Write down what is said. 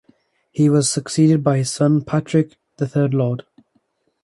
He was succeeded by his son, Patrick, the third Lord.